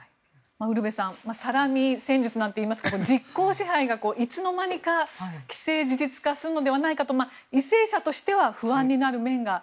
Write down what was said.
ウルヴェさんサハリン戦術といいますか実効支配がいつの間にか既成事実化するのではないかと為政者としては不安になる面が。